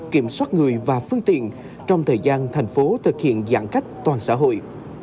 kiểm soát người và phương tiện trong thời gian thành phố thực hiện giãn cách toàn xã hội